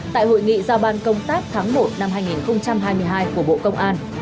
tại hội nghị giao ban công tác tháng một năm hai nghìn hai mươi hai của bộ công an